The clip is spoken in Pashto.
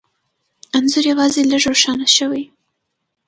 انځور یوازې لږ روښانه شوی،